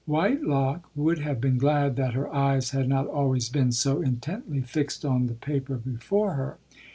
Whitelock would have been glad that her eyes had not always been so intently fixed on the paper before her.